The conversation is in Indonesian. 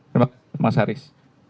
terima kasih mas haris